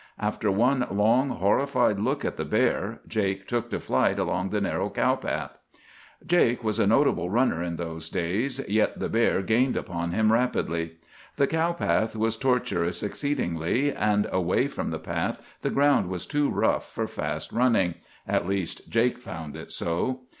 After one long horrified look at the bear, Jake took to flight along the narrow cow path. "Jake was a notable runner in those days, yet the bear gained upon him rapidly. The cow path was tortuous exceedingly, and away from the path the ground was too rough for fast running—at least Jake found it so.